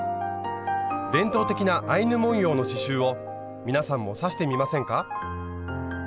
伝統的なアイヌ文様の刺しゅうを皆さんも刺してみませんか？